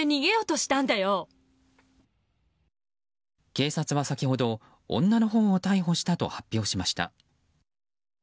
警察は先ほど、女のほうを逮捕したと発表しました。